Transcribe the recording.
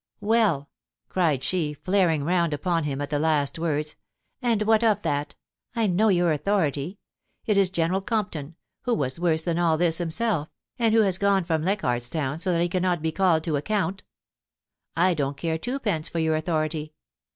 * Well !' cried she, flaring round upon him at the last words ;* and what of that ? I know your authority. It is General Compton, who was worse than all this himself, and who has gone away from Leichardt's Town, so that he cannot be called to account I don't care twopence for your autho rity.